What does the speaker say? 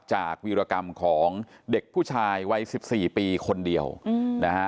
วีรกรรมของเด็กผู้ชายวัย๑๔ปีคนเดียวนะฮะ